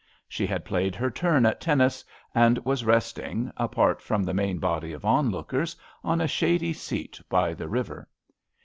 She had played her turn at tennis and was resting, apart from the main body of onlookers, on a shady seat by the river.